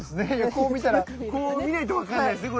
こう見たらこう見ないと分かんないですね